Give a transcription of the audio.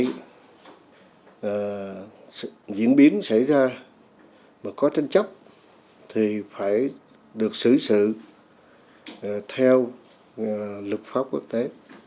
những cái diễn biến xảy ra mà có tranh chấp thì phải được xử sự theo luật pháp quốc tế